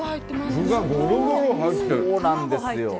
そうなんですよ。